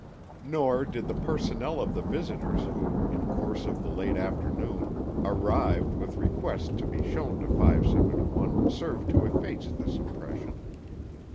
Nor did the personnel of the visitors who, in course of the late afternoon, arrived with requests to be shown to 571, serve to efface this impression.